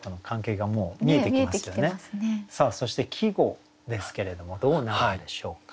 さあそして季語ですけれどもどうなるんでしょうか？